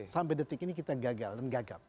sampai detik ini kita gagal dan gagap